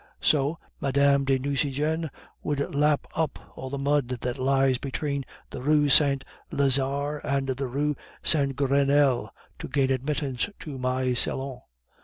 So Mme. de Nucingen would lap up all the mud that lies between the Rue Saint Lazare and the Rue de Grenelle to gain admittance to my salon.